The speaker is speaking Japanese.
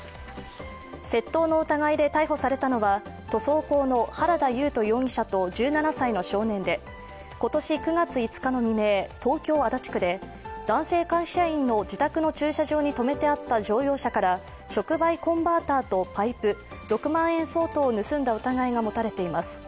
窃盗の疑いで逮捕されたのは、塗装工の原田優斗容疑者と１７歳の少年で今年９月５日の未明、東京・足立区で男性会社員の自宅の駐車場に止めてあった乗用車から触媒コンバーターとパイプ６万円相当を盗んだ疑いが持たれています。